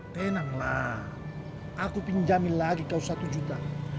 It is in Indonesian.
tenanglah aku pinjamin lagi kau satu juta